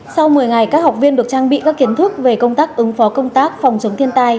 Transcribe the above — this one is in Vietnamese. sau một mươi ngày các học viên được trang bị các kiến thức về công tác ứng phó công tác phòng chống thiên tai